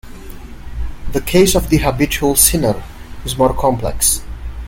The case of the habitual sinner is more complex.